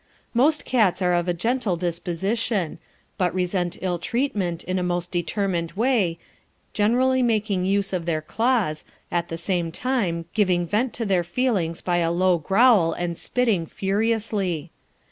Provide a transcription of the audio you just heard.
Most cats are of a gentle disposition, but resent ill treatment in a most determined way, generally making use of their claws, at the same time giving vent to their feelings by a low growl and spitting furiously.